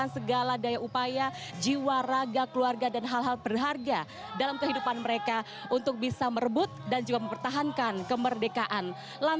jadi kalau panen itu harganya rendah